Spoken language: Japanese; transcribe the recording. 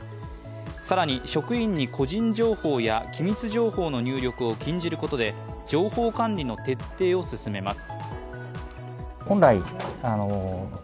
更に、職員に個人情報や機密情報の入力を禁じることで情報管理の徹底を進めます。